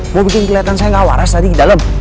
mau bikin keliatan saya gak waras tadi di dalam